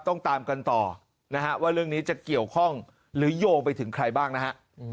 ต้องตามกันต่อนะฮะว่าเรื่องนี้จะเกี่ยวข้องหรือโยงไปถึงใครบ้างนะฮะ